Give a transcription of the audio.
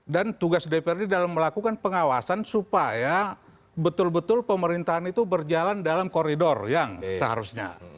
dan tugas dprd dalam melakukan pengawasan supaya betul betul pemerintahan itu berjalan dalam koridor yang seharusnya